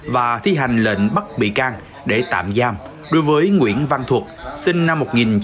và thi hành lệnh bắt bị can để tạm giam đối với nguyễn văn thuật sinh năm một nghìn chín trăm tám mươi